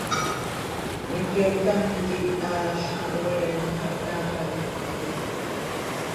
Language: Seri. Cmiique ctam quih aal xaha oeen xah, taax ah iicp cömaticpan.